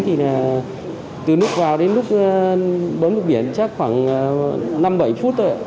thì từ lúc vào đến lúc bớt mục biển chắc khoảng năm bảy phút thôi ạ